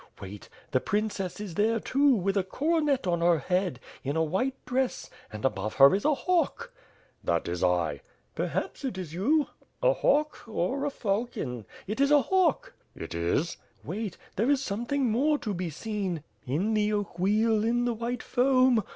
Wait! The prin cess is there, too, with a coronet on her head, in a white dress; and, above her, is a hawk/ "That is I." "Perhaps it is you. ... A hawk. .. Or a falcon? ... It is a hawk!" "It is?" "Wait. There is nothing more to be seen. In the oak wheel, in the white foam.